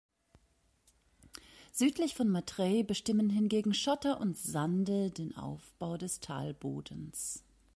Südlich von Matrei bestimmen hingegen Schotter und Sande den Aufbau des Talbodens.